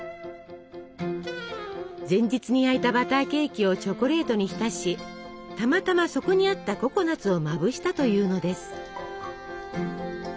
前日に焼いたバターケーキをチョコレートに浸したまたまそこにあったココナツをまぶしたというのです。